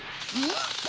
ん？